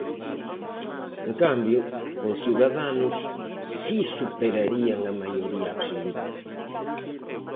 En cambio con Ciudadanos si superarían a maioría absoluta.